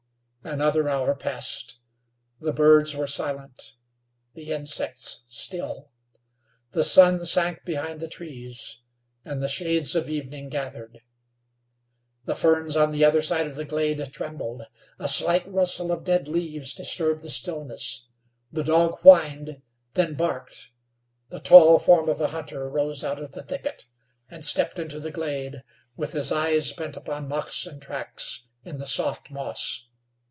Another hour passed. The birds were silent; the insects still. The sun sank behind the trees, and the shades of evening gathered. The ferns on the other side of the glade trembled. A slight rustle of dead leaves disturbed the stillness. The dog whined, then barked. The tall form of a hunter rose out of the thicket, and stepped into the glade with his eyes bent upon moccasin tracks in the soft moss.